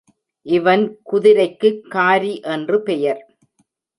இவன் குதிரைக்குக் காரி என்று பெயர்.